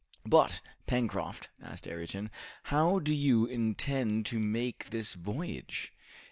"But, Pencroft," asked Ayrton, "how do you intend to make this voyage?"